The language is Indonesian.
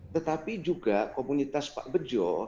tetapi juga komunitas pak bejo